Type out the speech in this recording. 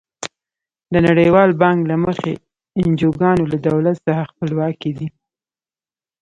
د نړیوال بانک له مخې انجوګانې له دولت څخه خپلواکې دي.